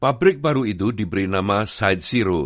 pabrik baru itu diberi nama side zero